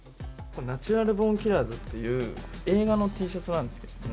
『ナチュラル・ボーン・キラーズ』っていう映画のＴシャツなんですけども。